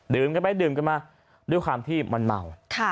กันไปดื่มกันมาด้วยความที่มันเมา